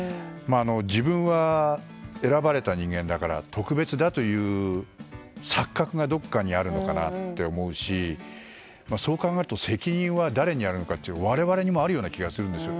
自分は選ばれた人間だから特別だという錯覚がどこかにあるのかなって思うしそう考えると責任は誰にあるのかっていうと我々にもあるような気がするんですよ。